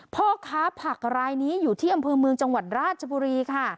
พ่อค้าผักรายนี้อยู่ที่อำเภอเมืองจังหวัดราชบุรีค่ะ